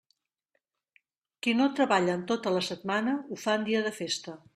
Qui no treballa en tota la setmana, ho fa en dia de festa.